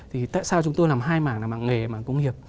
thì tại sao chúng tôi làm hai mảng là mảng nghề mảng công nghiệp